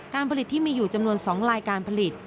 การผลิตที่มีอยู่จำนวน๒ลายการผลิต